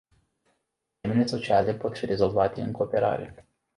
Problemele sociale pot fi rezolvate în cooperare.